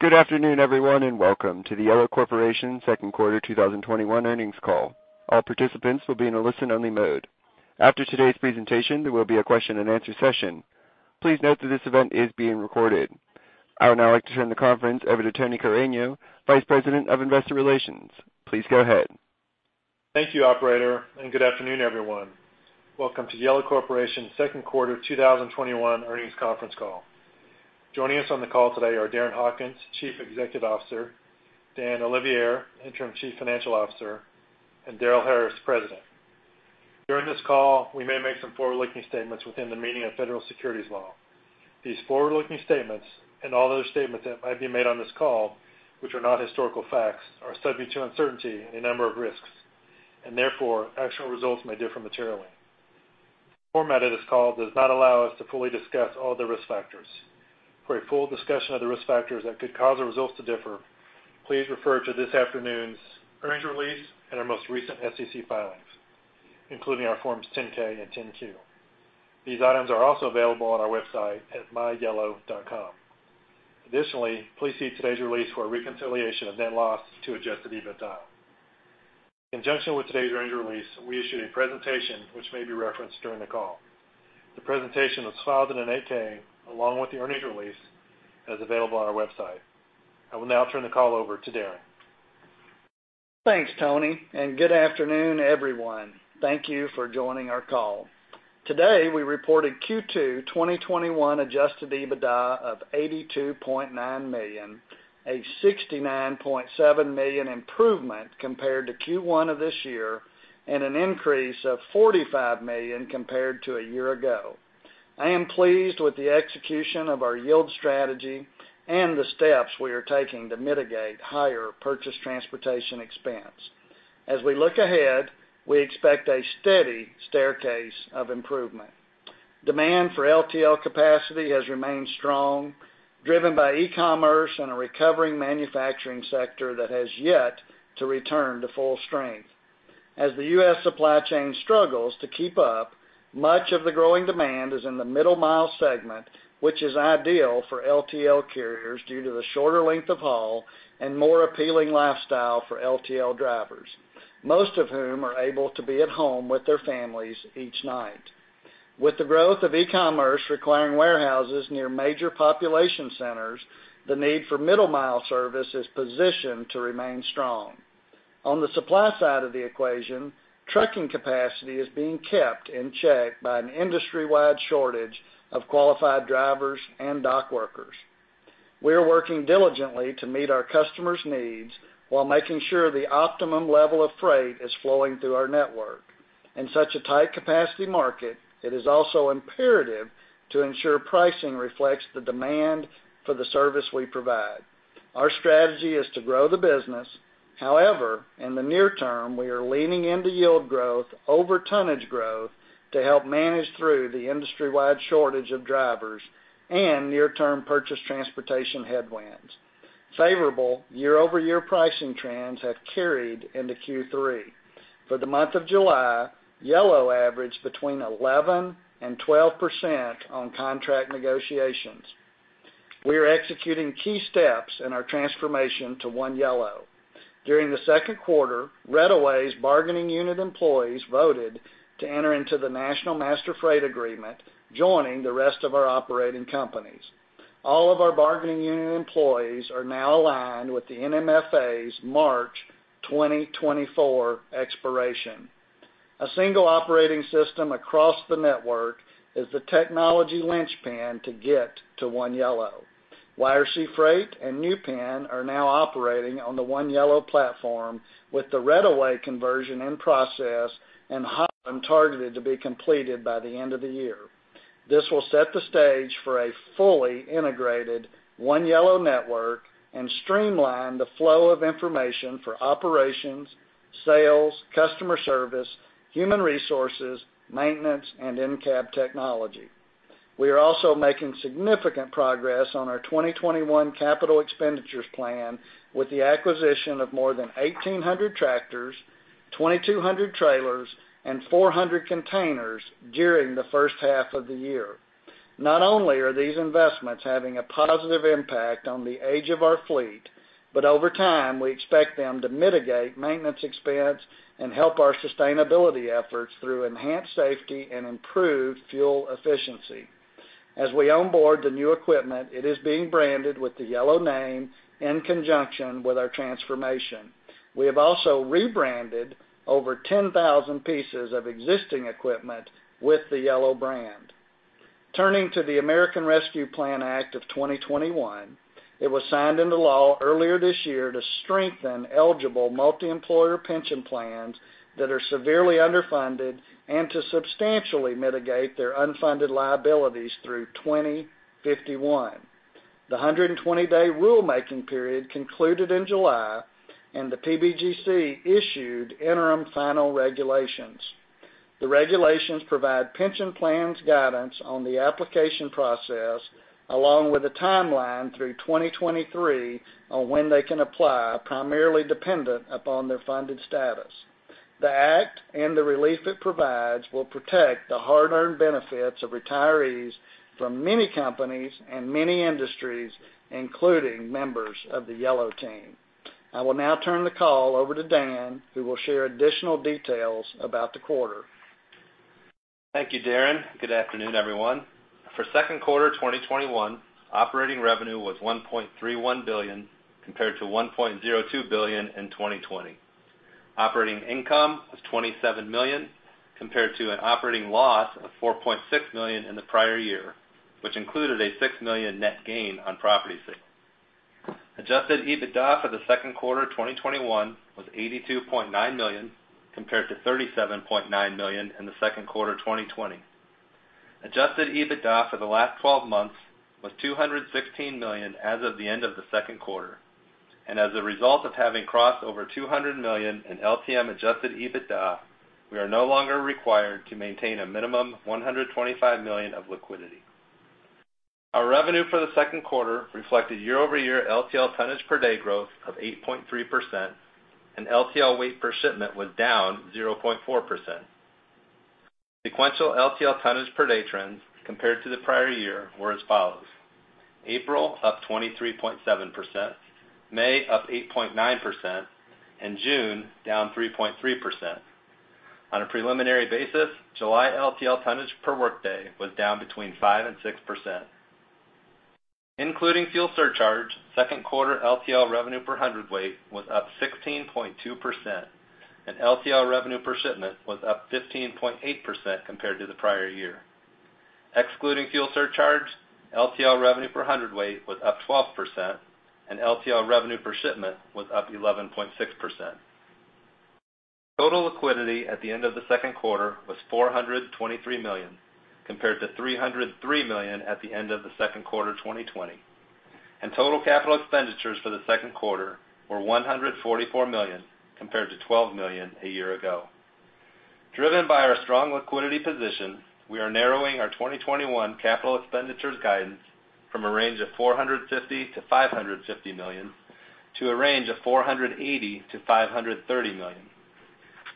Good afternoon, everyone, and welcome to the Yellow Corporation second quarter 2021 earnings call. All participants will be in a listen-only mode. After today's presentation, there will be a question and answer session. Please note that this event is being recorded. I would now like to turn the conference over to Tony Carreño, Vice President of Investor Relations. Please go ahead. Thank you, operator, and good afternoon, everyone. Welcome to Yellow Corporation's second quarter 2021 earnings conference call. Joining us on the call today are Darren Hawkins, Chief Executive Officer, Dan Olivier, Interim Chief Financial Officer, and Darrel Harris, President. During this call, we may make some forward-looking statements within the meaning of federal securities law. These forward-looking statements, and all other statements that might be made on this call, which are not historical facts, are subject to uncertainty and a number of risks, and therefore actual results may differ materially. The format of this call does not allow us to fully discuss all the risk factors. For a full discussion of the risk factors that could cause our results to differ, please refer to this afternoon's earnings release and our most recent SEC filings, including our Forms 10-K and 10-Q. These items are also available on our website at myyellow.com. Additionally, please see today's release for a reconciliation of net loss to Adjusted EBITDA. In conjunction with today's earnings release, we issued a presentation which may be referenced during the call. The presentation was filed in an 8-K along with the earnings release and is available on our website. I will now turn the call over to Darren Hawkins. Thanks, Tony, and good afternoon, everyone. Thank you for joining our call. Today, we reported Q2 2021 Adjusted EBITDA of $82.9 million, a $69.7 million improvement compared to Q1 of this year and an increase of $45 million compared to a year ago. I am pleased with the execution of our yield strategy and the steps we are taking to mitigate higher purchase transportation expense. As we look ahead, we expect a steady staircase of improvement. Demand for LTL capacity has remained strong, driven by e-commerce and a recovering manufacturing sector that has yet to return to full strength. As the U.S. supply chain struggles to keep up, much of the growing demand is in the middle mile segment, which is ideal for LTL carriers due to the shorter length of haul and more appealing lifestyle for LTL drivers, most of whom are able to be at home with their families each night. With the growth of e-commerce requiring warehouses near major population centers, the need for middle mile service is positioned to remain strong. On the supply side of the equation, trucking capacity is being kept in check by an industry-wide shortage of qualified drivers and dock workers. We are working diligently to meet our customers' needs while making sure the optimum level of freight is flowing through our network. In such a tight capacity market, it is also imperative to ensure pricing reflects the demand for the service we provide. Our strategy is to grow the business. However, in the near term, we are leaning into yield growth over tonnage growth to help manage through the industry-wide shortage of drivers and near-term purchase transportation headwinds. Favorable year-over-year pricing trends have carried into Q3. For the month of July, Yellow averaged between 11%-12% on contract negotiations. We are executing key steps in our transformation to One Yellow. During the second quarter, Reddaway's bargaining unit employees voted to enter into the National Master Freight Agreement, joining the rest of our operating companies. All of our bargaining unit employees are now aligned with the NMFA's March 2024 expiration. A single operating system across the network is the technology linchpin to get to One Yellow. YRC Freight and New Penn are now operating on the One Yellow platform with the Reddaway conversion in process and targeted to be completed by the end of the year. This will set the stage for a fully integrated One Yellow network and streamline the flow of information for operations, sales, customer service, human resources, maintenance, and in-cab technology. We are also making significant progress on our 2021 capital expenditures plan with the acquisition of more than 1,800 tractors, 2,200 trailers, and 400 containers during the first half of the year. Not only are these investments having a positive impact on the age of our fleet, but over time, we expect them to mitigate maintenance expense and help our sustainability efforts through enhanced safety and improved fuel efficiency. As we onboard the new equipment, it is being branded with the Yellow name in conjunction with our transformation. We have also rebranded over 10,000 pieces of existing equipment with the Yellow brand. Turning to the American Rescue Plan Act of 2021, it was signed into law earlier this year to strengthen eligible multi-employer pension plans that are severely underfunded and to substantially mitigate their unfunded liabilities through 2051. The 120-day rulemaking period concluded in July, and the PBGC issued interim final regulations. The regulations provide pension plans guidance on the application process along with a timeline through 2023 on when they can apply, primarily dependent upon their funded status. The act and the relief it provides will protect the hard-earned benefits of retirees from many companies and many industries, including members of the Yellow team. I will now turn the call over to Dan, who will share additional details about the quarter. Thank you, Darren Hawkins. Good afternoon, everyone. For second quarter 2021, operating revenue was $1.31 billion compared to $1.02 billion in 2020. Operating income was $27 million compared to an operating loss of $4.6 million in the prior year, which included a $6 million net gain on property sale. Adjusted EBITDA for the second quarter 2021 was $82.9 million compared to $37.9 million in the second quarter 2020. Adjusted EBITDA for the last 12 months was $216 million as of the end of the second quarter. As a result of having crossed over $200 million in LTM Adjusted EBITDA, we are no longer required to maintain a minimum of $125 million of liquidity. Our revenue for the second quarter reflected year-over-year LTL tonnage per day growth of 8.3%, and LTL weight per shipment was down 0.4%. Sequential LTL tonnage per day trends compared to the prior year were as follows: April, up 23.7%; May, up 8.9%; and June, down 3.3%. On a preliminary basis, July LTL tonnage per workday was down between 5% and 6%. Including fuel surcharge, second quarter LTL revenue per hundredweight was up 16.2%, and LTL revenue per shipment was up 15.8% compared to the prior year. Excluding fuel surcharge, LTL revenue per hundredweight was up 12%, and LTL revenue per shipment was up 11.6%. Total liquidity at the end of the second quarter was $423 million, compared to $303 million at the end of the second quarter 2020. Total capital expenditures for the second quarter were $144 million, compared to $12 million a year ago. Driven by our strong liquidity position, we are narrowing our 2021 capital expenditures guidance from a range of $450 million-$550 million to a range of $480 million-$530 million.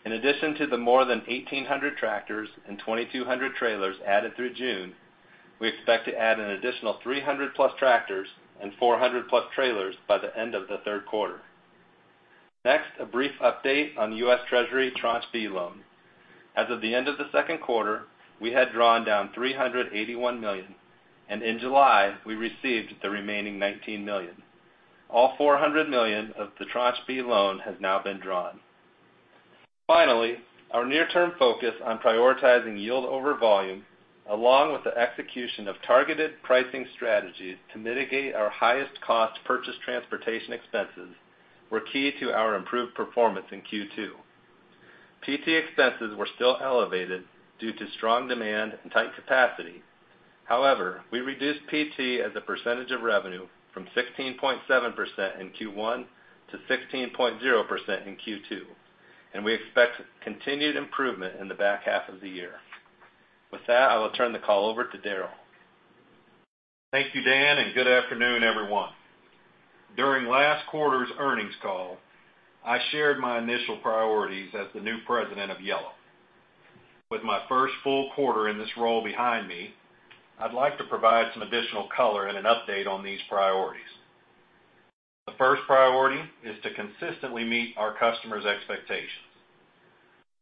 In addition to the more than 1,800 tractors and 2,200 trailers added through June, we expect to add an additional 300+ tractors and 400+ trailers by the end of the third quarter. A brief update on the U.S. Treasury Tranche B loan. As of the end of the second quarter, we had drawn down $381 million, and in July, we received the remaining $19 million. All $400 million of the Tranche B loan has now been drawn. Our near-term focus on prioritizing yield over volume, along with the execution of targeted pricing strategies to mitigate our highest cost purchased transportation expenses, were key to our improved performance in Q2. PT expenses were still elevated due to strong demand and tight capacity. However, we reduced PT as a percentage of revenue from 16.7% in Q1 to 16.0% in Q2, and we expect continued improvement in the back half of the year. With that, I will turn the call over to Darrel. Thank you, Dan, and good afternoon, everyone. During last quarter's earnings call, I shared my initial priorities as the new president of Yellow. With my first full quarter in this role behind me, I'd like to provide some additional color and an update on these priorities. The first priority is to consistently meet our customers' expectations.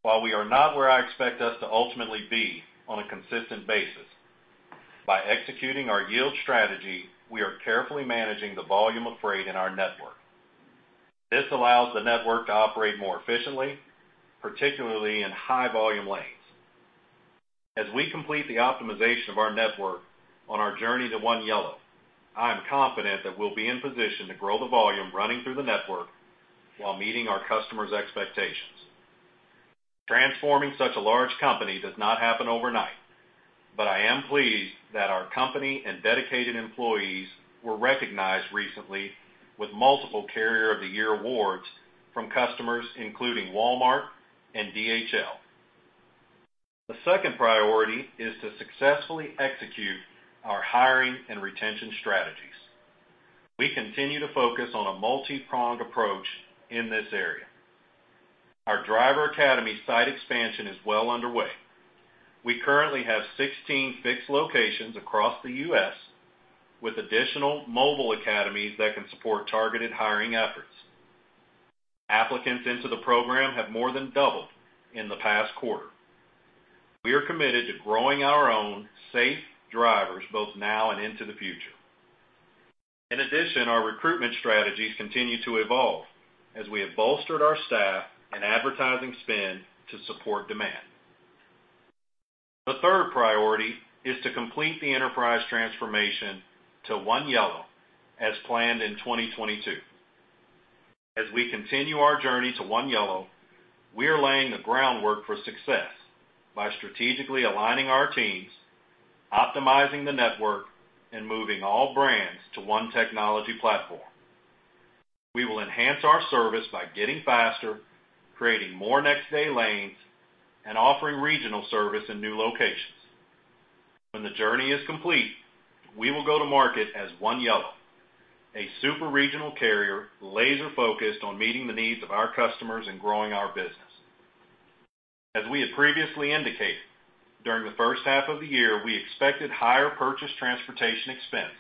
While we are not where I expect us to ultimately be on a consistent basis, by executing our yield strategy, we are carefully managing the volume of freight in our network. This allows the network to operate more efficiently, particularly in high-volume lanes. As we complete the optimization of our network on our journey to One Yellow, I am confident that we'll be in position to grow the volume running through the network while meeting our customers' expectations. Transforming such a large company does not happen overnight, but I am pleased that our company and dedicated employees were recognized recently with multiple Carrier of the Year awards from customers including Walmart and DHL. The second priority is to successfully execute our hiring and retention strategies. We continue to focus on a multi-pronged approach in this area. Our driver academy site expansion is well underway. We currently have 16 fixed locations across the U.S., with additional mobile academies that can support targeted hiring efforts. Applicants into the program have more than doubled in the past quarter. We are committed to growing our own safe drivers, both now and into the future. In addition, our recruitment strategies continue to evolve as we have bolstered our staff and advertising spend to support demand. The third priority is to complete the enterprise transformation to One Yellow as planned in 2022. As we continue our journey to One Yellow, we are laying the groundwork for success by strategically aligning our teams, optimizing the network, and moving all brands to one technology platform. We will enhance our service by getting faster, creating more next-day lanes, and offering regional service in new locations. When the journey is complete, we will go to market as One Yellow, a super regional carrier laser-focused on meeting the needs of our customers and growing our business. As we had previously indicated, during the first half of the year, we expected higher purchase transportation expense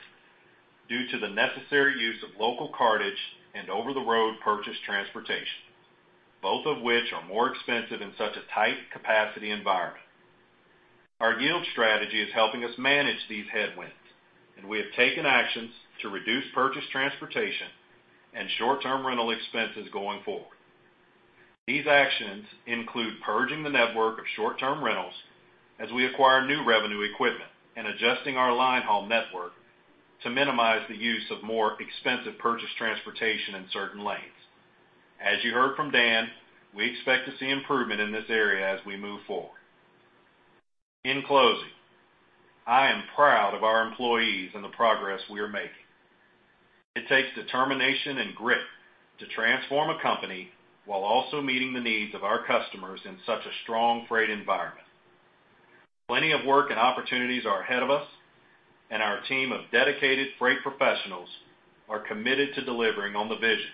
due to the necessary use of local cartage and over-the-road purchase transportation, both of which are more expensive in such a tight capacity environment. Our yield strategy is helping us manage these headwinds, and we have taken actions to reduce purchase transportation and short-term rental expenses going forward. These actions include purging the network of short-term rentals as we acquire new revenue equipment and adjusting our line haul network to minimize the use of more expensive purchase transportation in certain lanes. As you heard from Dan, we expect to see improvement in this area as we move forward. In closing, I am proud of our employees and the progress we are making. It takes determination and grit to transform a company while also meeting the needs of our customers in such a strong freight environment. Plenty of work and opportunities are ahead of us, and our team of dedicated freight professionals are committed to delivering on the vision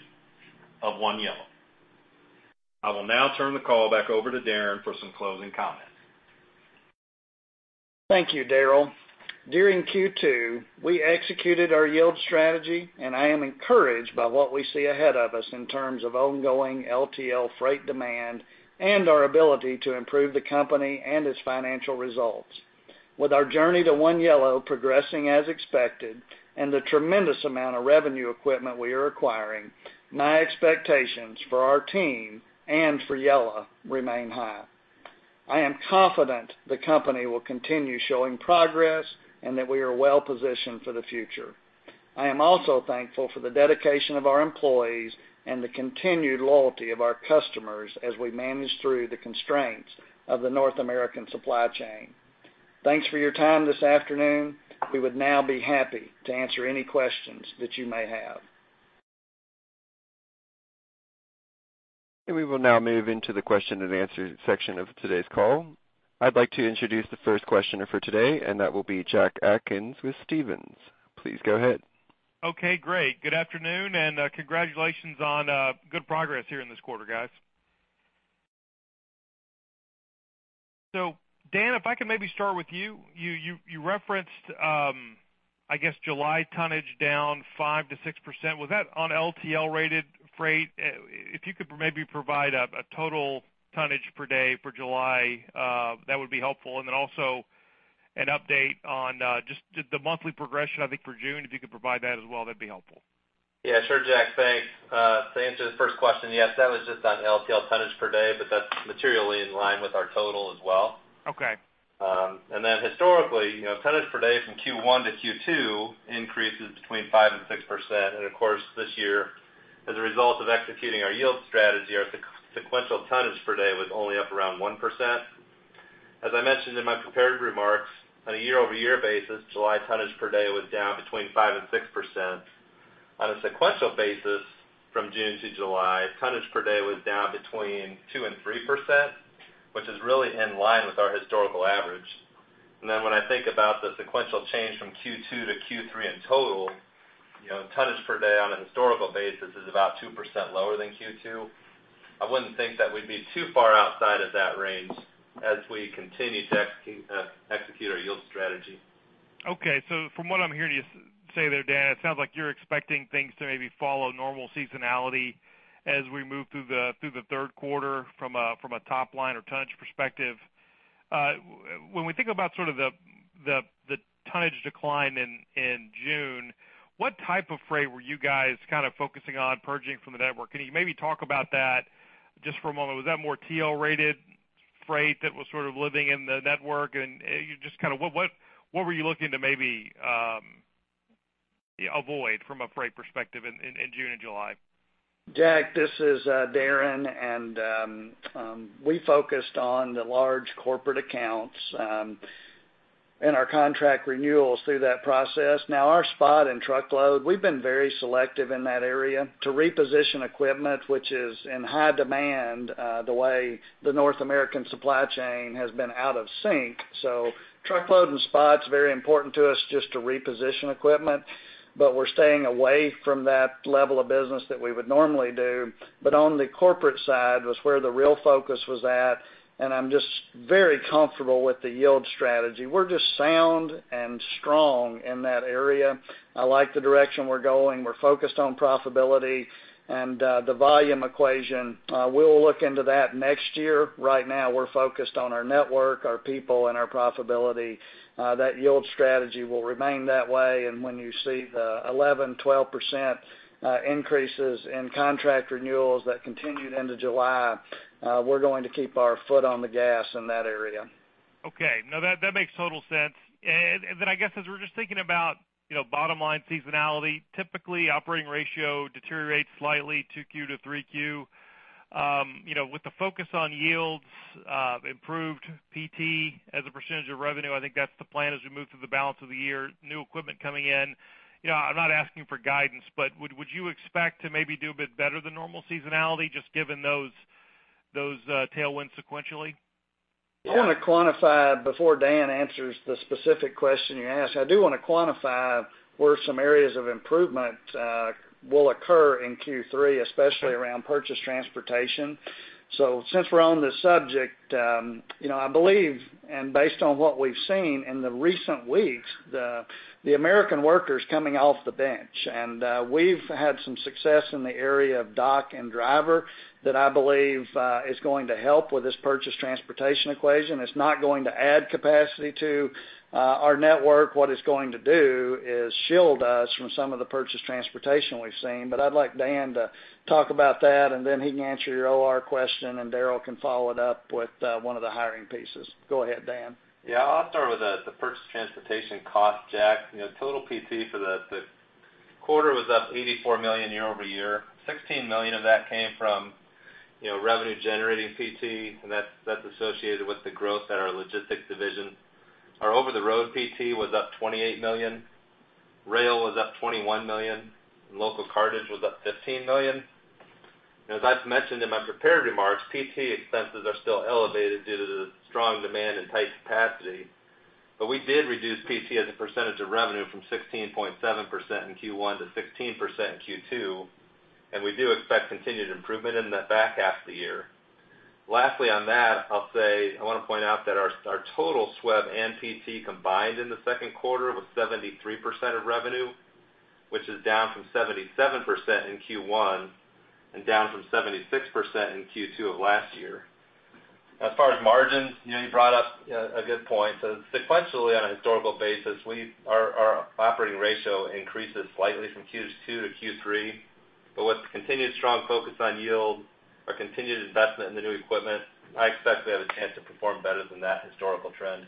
of One Yellow. I will now turn the call back over to Darren for some closing comments. Thank you, Darrel. During Q2, we executed our yield strategy, and I am encouraged by what we see ahead of us in terms of ongoing LTL freight demand and our ability to improve the company and its financial results. With our journey to One Yellow progressing as expected and the tremendous amount of revenue equipment we are acquiring, my expectations for our team and for Yellow remain high. I am confident the company will continue showing progress and that we are well-positioned for the future. I am also thankful for the dedication of our employees and the continued loyalty of our customers as we manage through the constraints of the North American supply chain. Thanks for your time this afternoon. We would now be happy to answer any questions that you may have. We will now move into the question and answer section of today's call. I'd like to introduce the first questioner for today, and that will be Jack Atkins with Stephens. Please go ahead. Okay, great. Good afternoon, and congratulations on good progress here in this quarter, guys. Dan, if I could maybe start with you. You referenced, I guess, July tonnage down 5%-6%. Was that on LTL-rated freight? If you could maybe provide a total tonnage per day for July, that would be helpful. Also an update on just the monthly progression, I think, for June, if you could provide that as well, that'd be helpful. Yeah, sure Jack, thanks. To answer the first question, yes, that was just on LTL tonnage per day, but that's materially in line with our total as well. Okay. Historically, tonnage per day from Q1 to Q2 increases between 5%-6%. This year, as a result of executing our yield strategy, our sequential tonnage per day was only up around 1%. As I mentioned in my prepared remarks, on a year-over-year basis, July tonnage per day was down between 5%-6%. On a sequential basis from June to July, tonnage per day was down between 2%-3%, which is really in line with our historical average. When I think about the sequential change from Q2 to Q3 in total, tonnage per day on a historical basis is about 2% lower than Q2. I wouldn't think that we'd be too far outside of that range as we continue to execute our yield strategy. Okay. From what I'm hearing you say there, Dan Olivier, it sounds like you're expecting things to maybe follow normal seasonality as we move through the third quarter from a top-line or tonnage perspective. When we think about the tonnage decline in June, what type of freight were you guys focusing on purging from the network? Can you maybe talk about that just for a moment? Was that more TL-rated freight that was living in the network? Just what were you looking to maybe avoid from a freight perspective in June and July? Jack, this is Darren, and we focused on the large corporate accounts and our contract renewals through that process. Now, our spot and truckload, we've been very selective in that area to reposition equipment, which is in high demand the way the North American supply chain has been out of sync. Truckload and spot is very important to us just to reposition equipment. We're staying away from that level of business that we would normally do. On the corporate side was where the real focus was at, and I'm just very comfortable with the yield strategy. We're just sound and strong in that area. I like the direction we're going. We're focused on profitability and the volume equation. We'll look into that next year. Right now, we're focused on our network, our people, and our profitability. That yield strategy will remain that way, and when you see the 11%, 12% increases in contract renewals that continued into July, we're going to keep our foot on the gas in that area. Okay. No, that makes total sense. I guess as we're just thinking about bottom-line seasonality, typically operating ratio deteriorates slightly 2Q to 3Q. With the focus on yields, improved PT as a % of revenue, I think that's the plan as we move through the balance of the year, new equipment coming in. I'm not asking for guidance, but would you expect to maybe do a bit better than normal seasonality just given those tailwinds sequentially? I want to quantify before Dan answers the specific question you asked. I do want to quantify where some areas of improvement will occur in Q3, especially around purchase transportation. Since we're on this subject, I believe, and based on what we've seen in the recent weeks, the American worker is coming off the bench. We've had some success in the area of dock and driver that I believe is going to help with this purchase transportation equation. It's not going to add capacity to our network. What it's going to do is shield us from some of the purchase transportation we've seen. I'd like Dan to talk about that, and then he can answer your OR question, and Darrel can follow it up with one of the hiring pieces. Go ahead, Dan. Yeah. I'll start with the purchase transportation cost, Jack. Total PT for the quarter was up $84 million year-over-year. $16 million of that came from revenue-generating PT, that's associated with the growth at our logistics division. Our over-the-road PT was up $28 million, rail was up $21 million, Local cartage was up $15 million. As I've mentioned in my prepared remarks, PT expenses are still elevated due to the strong demand and tight capacity. We did reduce PT as a percentage of revenue from 16.7% in Q1 to 16% in Q2. We do expect continued improvement in the back half of the year. Lastly, on that, I'll say, I want to point out that our total SWB and PT combined in the second quarter was 73% of revenue, which is down from 77% in Q1 and down from 76% in Q2 of last year. As far as margins, you brought up a good point. Sequentially, on a historical basis, our operating ratio increases slightly from Q2 to Q3. With the continued strong focus on yield, our continued investment in the new equipment, I expect we have a chance to perform better than that historical trend.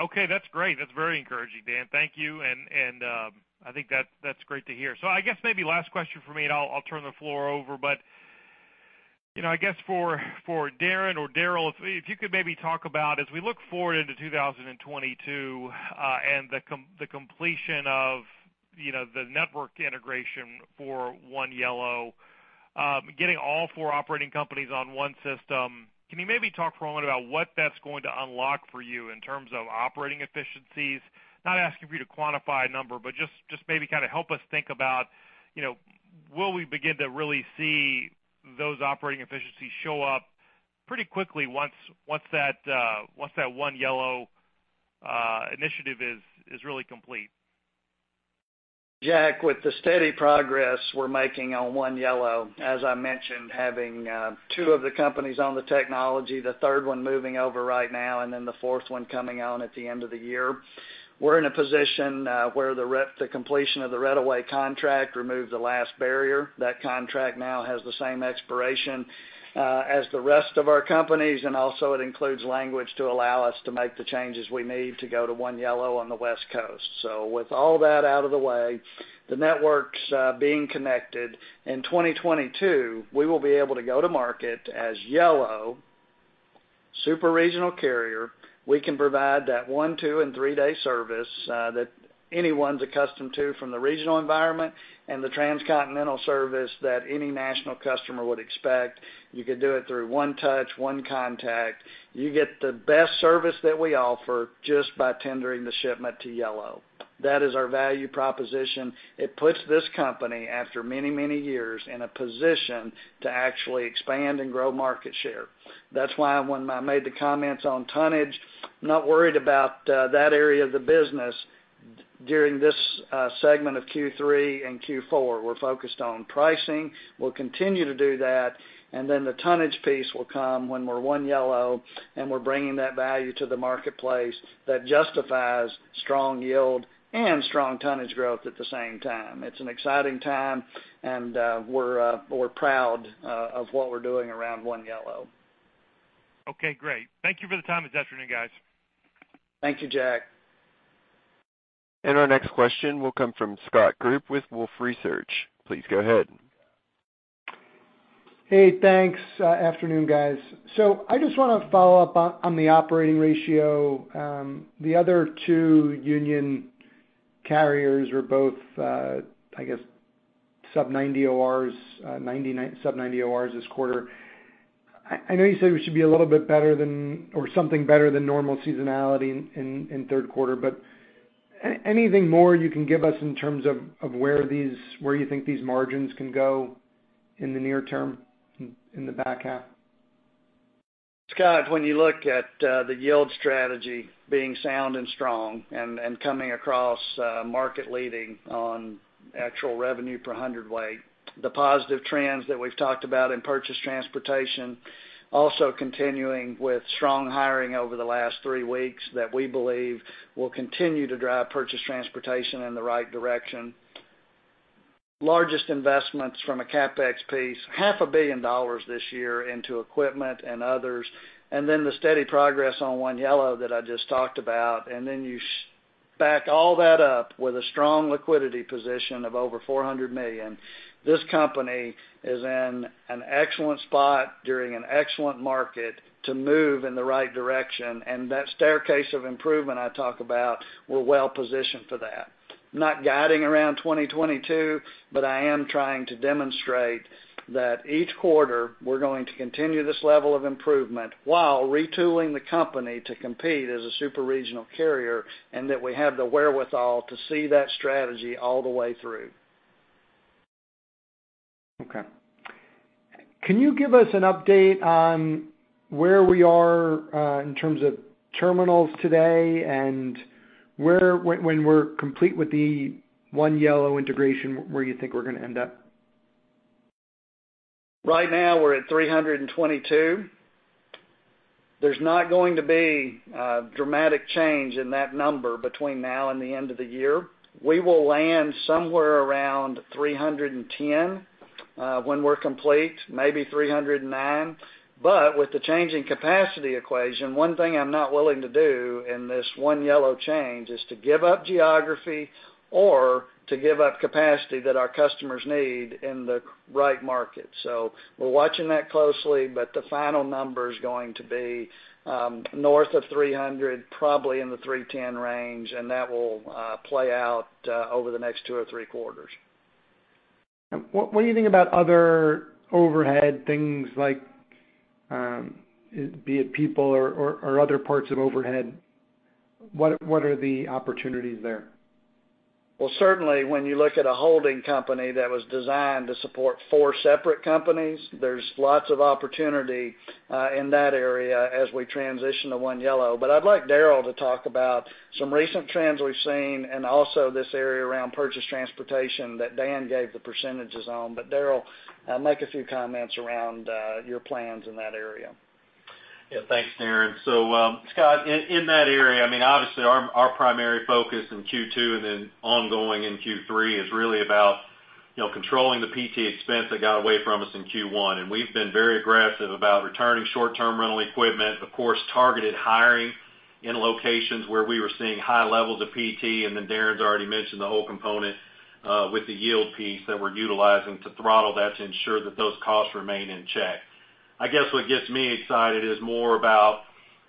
Okay, that's great. That's very encouraging, Dan. Thank you. I think that's great to hear. I guess maybe last question from me, and I'll turn the floor over. I guess for Darren or Darell, if you could maybe talk about as we look forward into 2022 and the completion of the network integration for One Yellow, getting all four operating companies on one system. Can you maybe talk for a moment about what that's going to unlock for you in terms of operating efficiencies? Not asking for you to quantify a number, but just maybe help us think about, will we begin to really see those operating efficiencies show up pretty quickly once that One Yellow initiative is really complete? Jack, with the steady progress we're making on One Yellow, as I mentioned, having two of the companies on the technology, the third one moving over right now, and then the fourth one coming on at the end of the year. We're in a position where the completion of the Reddaway contract removed the last barrier. That contract now has the same expiration as the rest of our companies, and also it includes language to allow us to make the changes we need to go to One Yellow on the West Coast. With all that out of the way, the networks being connected, in 2022, we will be able to go to market as Yellow, super regional carrier. We can provide that one, two, and three-day service that anyone's accustomed to from the regional environment and the transcontinental service that any national customer would expect. You could do it through one touch, one contact. You get the best service that we offer just by tendering the shipment to Yellow. That is our value proposition. It puts this company, after many, many years, in a position to actually expand and grow market share. That's why when I made the comments on tonnage, I'm not worried about that area of the business during this segment of Q3 and Q4. We're focused on pricing. We'll continue to do that, and then the tonnage piece will come when we're One Yellow and we're bringing that value to the marketplace that justifies strong yield and strong tonnage growth at the same time. It's an exciting time, and we're proud of what we're doing around One Yellow. Okay, great. Thank you for the time this afternoon, guys. Thank you, Jack. Our next question will come from Scott Group with Wolfe Research. Please go ahead. Hey, thanks. Afternoon, guys. I just want to follow up on the operating ratio. The other two union carriers were both, I guess, sub 90 ORs this quarter. I know you said we should be a little bit better than or something better than normal seasonality in third quarter, but anything more you can give us in terms of where you think these margins can go in the near term in the back half? Scott, when you look at the yield strategy being sound and strong and coming across market leading on actual revenue per hundredweight, the positive trends that we've talked about in purchase transportation also continuing with strong hiring over the last three weeks that we believe will continue to drive purchase transportation in the right direction. Largest investments from a CapEx piece, half a billion dollars this year into equipment and others. The steady progress on One Yellow that I just talked about. You back all that up with a strong liquidity position of over $400 million. This company is in an excellent spot during an excellent market to move in the right direction, and that staircase of improvement I talk about, we're well-positioned for that. I'm not guiding around 2022, but I am trying to demonstrate that each quarter we're going to continue this level of improvement while retooling the company to compete as a super regional carrier, and that we have the wherewithal to see that strategy all the way through. Okay. Can you give us an update on where we are in terms of terminals today, and when we're complete with the One Yellow integration, where you think we're going to end up? Right now, we're at 322. There's not going to be a dramatic change in that number between now and the end of the year. We will land somewhere around 310 when we're complete, maybe 309. With the changing capacity equation, one thing I'm not willing to do in this One Yellow change is to give up geography or to give up capacity that our customers need in the right market. We're watching that closely, but the final number's going to be north of 300, probably in the 310 range, and that will play out over the next two or three quarters. What do you think about other overhead things like, be it people or other parts of overhead? What are the opportunities there? Certainly when you look at a holding company that was designed to support four separate companies, there's lots of opportunity in that area as we transition to One Yellow. I'd like Daryl to talk about some recent trends we've seen and also this area around purchase transportation that Dan gave the percentages on. Daryl, make a few comments around your plans in that area. Thanks, Darren. Scott, in that area, obviously, our primary focus in Q2 and then ongoing in Q3 is really about controlling the PT expense that got away from us in Q1. We've been very aggressive about returning short-term rental equipment, of course, targeted hiring in locations where we were seeing high levels of PT, Darren's already mentioned the whole component with the yield piece that we're utilizing to throttle that to ensure that those costs remain in check. I guess what gets me excited is more about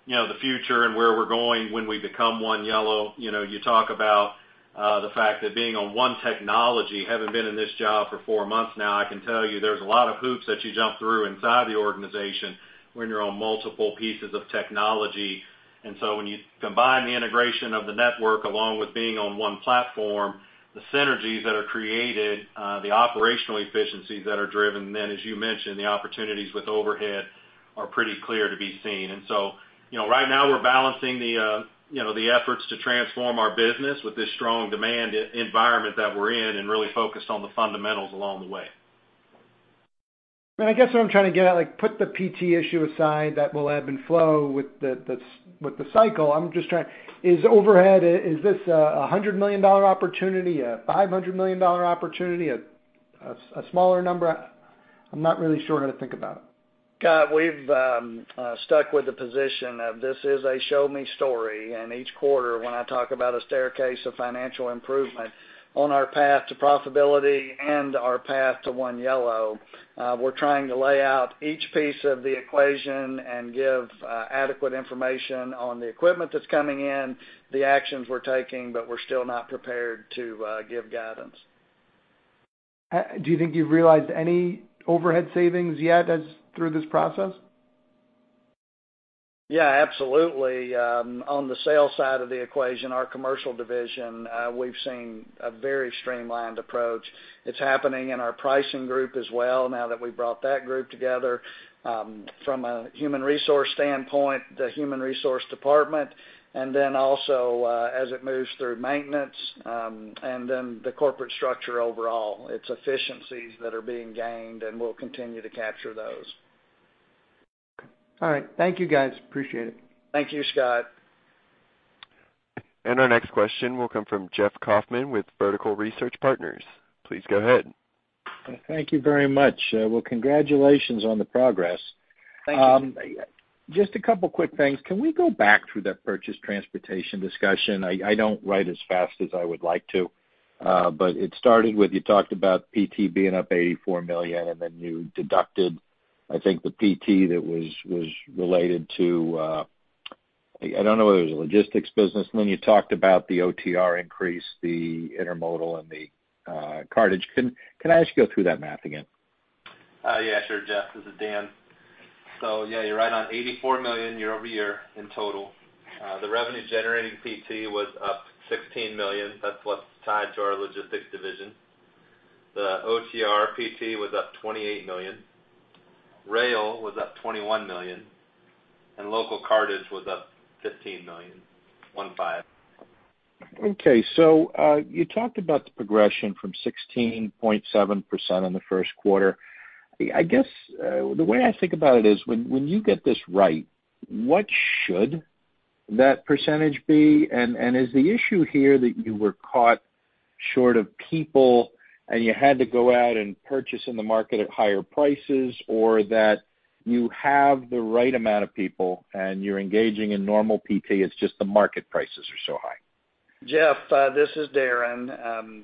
the future and where we're going when we become One Yellow. You talk about the fact that being on one technology, having been in this job for four months now, I can tell you there's a lot of hoops that you jump through inside the organization when you're on multiple pieces of technology. When you combine the integration of the network along with being on one platform, the synergies that are created, the operational efficiencies that are driven, and then as you mentioned, the opportunities with overhead are pretty clear to be seen. Right now, we're balancing the efforts to transform our business with this strong demand environment that we're in and really focused on the fundamentals along the way. I guess what I'm trying to get at, put the PT issue aside that will ebb and flow with the cycle. Is overhead, is this a $100 million opportunity, a $500 million opportunity, a smaller number? I'm not really sure how to think about it. Scott, we've stuck with the position of this is a show-me story. Each quarter when I talk about a staircase of financial improvement on our path to profitability and our path to One Yellow, we're trying to lay out each piece of the equation and give adequate information on the equipment that's coming in, the actions we're taking, but we're still not prepared to give guidance. Do you think you've realized any overhead savings yet through this process? Yeah, absolutely. On the sales side of the equation, our commercial division, we've seen a very streamlined approach. It's happening in our pricing group as well now that we brought that group together. From a human resource standpoint, the human resource department, and then also as it moves through maintenance, and then the corporate structure overall, it's efficiencies that are being gained and we'll continue to capture those. All right. Thank you, guys. Appreciate it. Thank you, Scott. Our next question will come from Jeffrey Kauffman with Vertical Research Partners. Please go ahead. Thank you very much. Well, congratulations on the progress. Thank you. Just a couple of quick things. Can we go back through that purchase transportation discussion? I don't write as fast as I would like to. It started with, you talked about PT being up $84 million, and then you deducted, I think, the PT that was related to I don't know whether it was a logistics business. Then you talked about the OTR increase, the intermodal, and the cartage. Can I ask you to go through that math again? Yeah, sure, Jeff. This is Dan. Yeah, you're right on $84 million year-over-year in total. The revenue-generating PT was up $16 million. That's what's tied to our logistics division. The OTR PT was up $28 million. Rail was up $21 million, and local cartage was up $15 million, 15. Okay. You talked about the progression from 16.7% in the first quarter. I guess, the way I think about it is when you get this right, what should that percentage be? Is the issue here that you were caught short of people and you had to go out and purchase in the market at higher prices, or that you have the right amount of people and you're engaging in normal PT, it's just the market prices are so high? Jeff, this is Darren.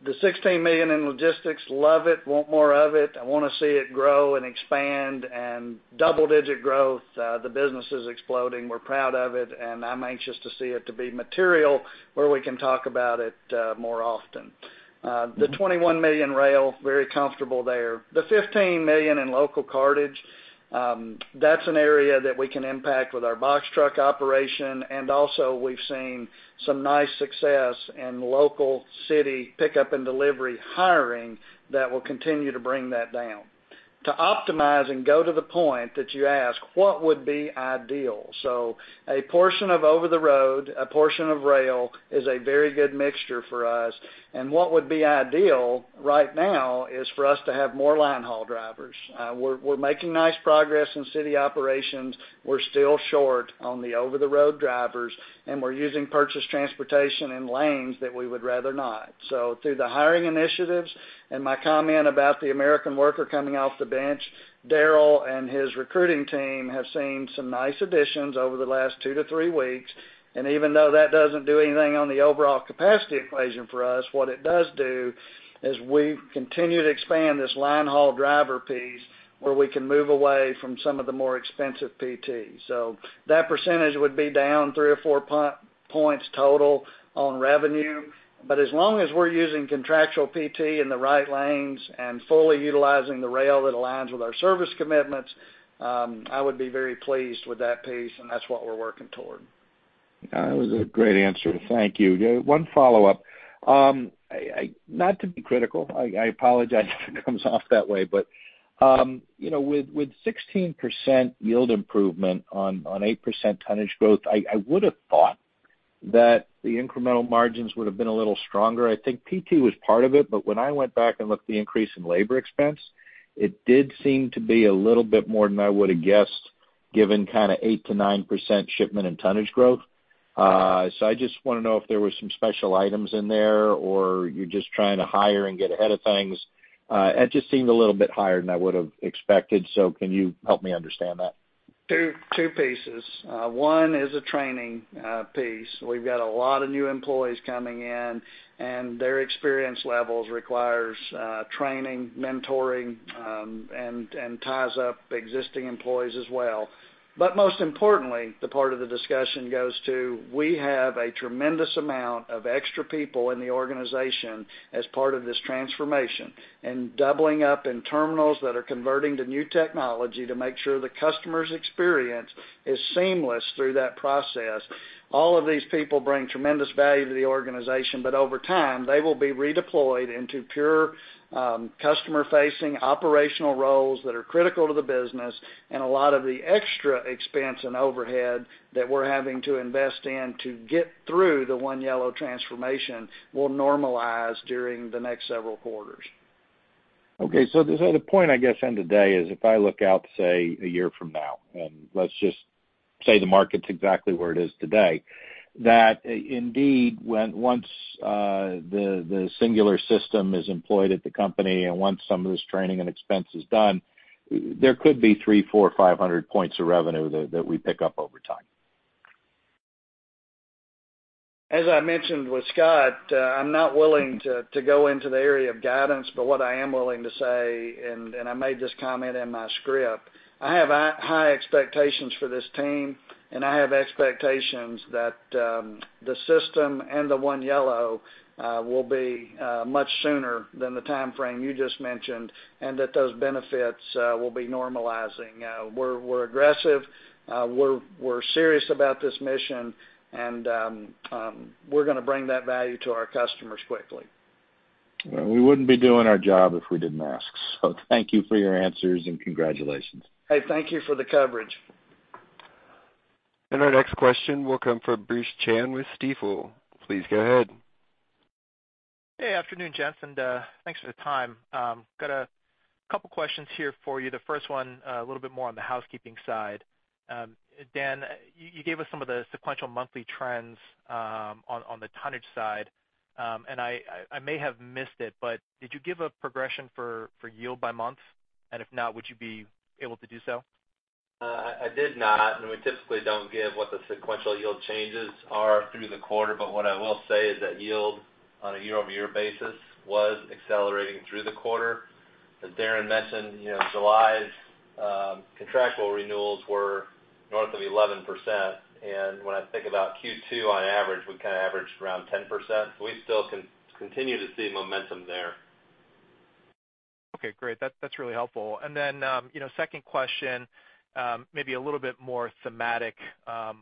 The $16 million in logistics, love it, want more of it. I want to see it grow and expand and double-digit growth. The business is exploding. We're proud of it, and I'm anxious to see it to be material where we can talk about it more often. The $21 million rail, very comfortable there. The $15 million in local cartage, that's an area that we can impact with our box truck operation, and also we've seen some nice success in local city pickup and delivery hiring that will continue to bring that down. To optimize and go to the point that you ask, what would be ideal? A portion of over the road, a portion of rail is a very good mixture for us, and what would be ideal right now is for us to have more line haul drivers. We're making nice progress in city operations. We're still short on the over-the-road drivers, and we're using purchase transportation in lanes that we would rather not. Through the hiring initiatives and my comment about the American worker coming off the bench, Daryl and his recruiting team have seen some nice additions over the last two to three weeks, and even though that doesn't do anything on the overall capacity equation for us, what it does do is we continue to expand this line haul driver piece where we can move away from some of the more expensive PT. That percentage would be down three or four points total on revenue. As long as we're using contractual PT in the right lanes and fully utilizing the rail that aligns with our service commitments, I would be very pleased with that piece, and that's what we're working toward. That was a great answer. Thank you. 1 follow-up. Not to be critical, I apologize if it comes off that way, but with 16% yield improvement on 8% tonnage growth, I would have thought that the incremental margins would have been a little stronger. I think PT was part of it, but when I went back and looked at the increase in labor expense, it did seem to be a little bit more than I would have guessed, given kind of 8%-9% shipment and tonnage growth. I mean, I just want to know if there were some special items in there or you're just trying to hire and get ahead of things. It just seemed a little bit higher than I would have expected. Can you help me understand that? Two pieces. One is a training piece. We've got a lot of new employees coming in, and their experience levels requires training, mentoring, and ties up existing employees as well. Most importantly, the part of the discussion goes to, we have a tremendous amount of extra people in the organization as part of this transformation and doubling up in terminals that are converting to new technology to make sure the customer's experience is seamless through that process. All of these people bring tremendous value to the organization, but over time, they will be redeployed into pure customer-facing operational roles that are critical to the business and a lot of the extra expense and overhead that we're having to invest in to get through the One Yellow transformation will normalize during the next several quarters. Okay. The point, I guess, end of day is if I look out, say, one year from now, and let's just say the market's exactly where it is today, that indeed, once the singular system is employed at the company and once some of this training and expense is done, there could be 300, 400, 500 points of revenue that we pick up over time. As I mentioned with Scott, I'm not willing to go into the area of guidance. What I am willing to say, and I made this comment in my script, I have high expectations for this team, and I have expectations that the system and the One Yellow will be much sooner than the timeframe you just mentioned, and that those benefits will be normalizing. We're aggressive. We're serious about this mission, and we're going to bring that value to our customers quickly. We wouldn't be doing our job if we didn't ask. Thank you for your answers, and congratulations. Hey, thank you for the coverage. Our next question will come from Bruce Chan with Stifel. Please go ahead. Hey, afternoon, gents, and thanks for the time. Got a couple of questions here for you. The first one, a little bit more on the housekeeping side. Dan Olivier, you gave us some of the sequential monthly trends on the tonnage side. I may have missed it, but did you give a progression for yield by month? If not, would you be able to do so? I did not, and we typically don't give what the sequential yield changes are through the quarter. What I will say is that yield on a year-over-year basis was accelerating through the quarter. As Darren mentioned, July's contractual renewals were north of 11%, and when I think about Q2 on average, we averaged around 10%. We still continue to see momentum there. Okay, great. That's really helpful. Second question, maybe a little bit more thematic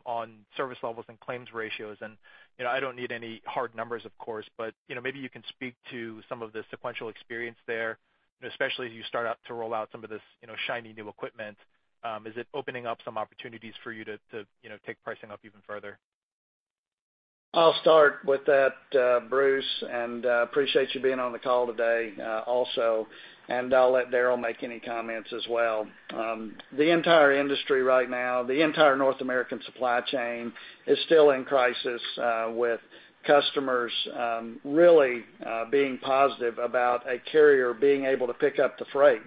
on service levels and claims ratios. I don't need any hard numbers, of course, but maybe you can speak to some of the sequential experience there, and especially as you start out to roll out some of this shiny new equipment. Is it opening up some opportunities for you to take pricing up even further? I'll start with that, Bruce, and appreciate you being on the call today also, and I'll let Darrell make any comments as well. The entire industry right now, the entire North American supply chain is still in crisis with customers really being positive about a carrier being able to pick up the freight.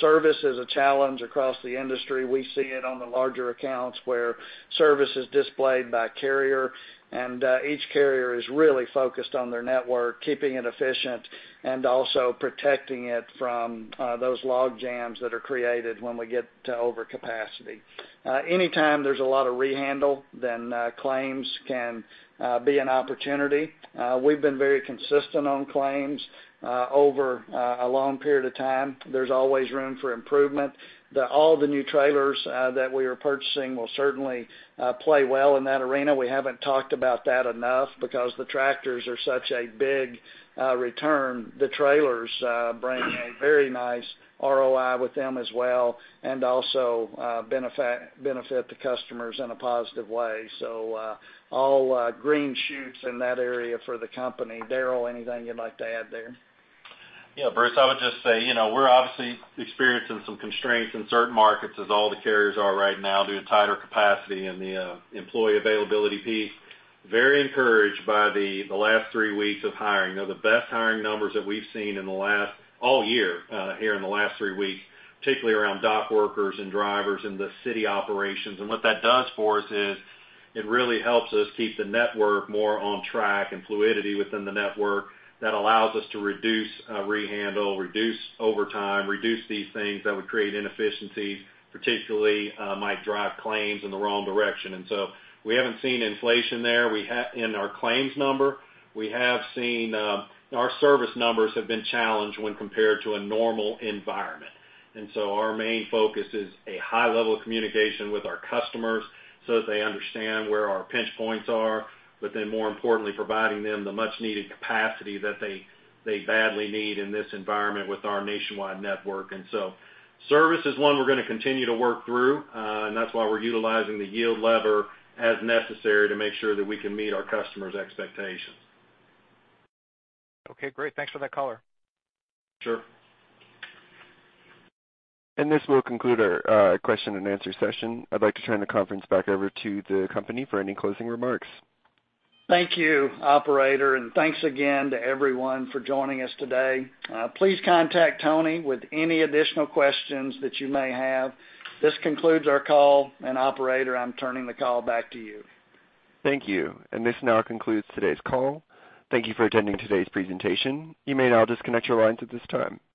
Service is a challenge across the industry. We see it on the larger accounts where service is displayed by carrier, and each carrier is really focused on their network, keeping it efficient, and also protecting it from those log jams that are created when we get to over capacity. Anytime there's a lot of rehandle, then claims can be an opportunity. We've been very consistent on claims over a long period of time. There's always room for improvement. All the new trailers that we are purchasing will certainly play well in that arena. We haven't talked about that enough because the tractors are such a big return. The trailers bring a very nice ROI with them as well, and also benefit the customers in a positive way. All green shoots in that area for the company. Darrel, anything you'd like to add there? Yeah, Bruce, I would just say, we're obviously experiencing some constraints in certain markets as all the carriers are right now due to tighter capacity and the employee availability piece. Very encouraged by the last three weeks of hiring. They're the best hiring numbers that we've seen in the last all year here in the last three weeks, particularly around dock workers and drivers in the city operations. What that does for us is it really helps us keep the network more on track and fluidity within the network that allows us to reduce rehandle, reduce overtime, reduce these things that would create inefficiencies, particularly might drive claims in the wrong direction. We haven't seen inflation there in our claims number. We have seen our service numbers have been challenged when compared to a normal environment. Our main focus is a high level of communication with our customers so that they understand where our pinch points are, but then more importantly, providing them the much needed capacity that they badly need in this environment with our nationwide network. Service is one we're going to continue to work through, and that's why we're utilizing the yield lever as necessary to make sure that we can meet our customers' expectations. Okay, great. Thanks for that color. Sure. This will conclude our question and answer session. I'd like to turn the conference back over to the company for any closing remarks. Thank you, operator. Thanks again to everyone for joining us today. Please contact Tony with any additional questions that you may have. This concludes our call. Operator, I'm turning the call back to you. Thank you. This now concludes today's call. Thank you for attending today's presentation. You may now disconnect your lines at this time.